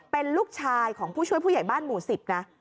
เป็นลูกชายของผู้ช่วยผู้ใหญ่บ้านหมู่๑๐นะ